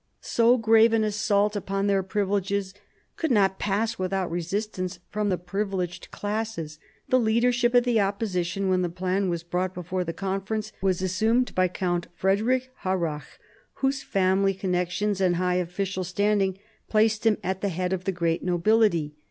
So grave an assault upon their privileges could not pass without resistance from the privileged classes. The leadership of the opposition, when the plan was brought before the Conference, was assumed by Count Frederick Harrach, whose family connections ancT"Tiigh official standing placed him at the head of the greater nobility.